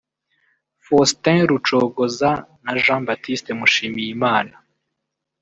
Faustin Rucogoza na Jean Baptiste Mushimiyimana